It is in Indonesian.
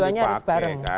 dua duanya harus bareng